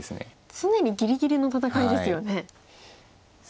常にぎりぎりの戦いですよね。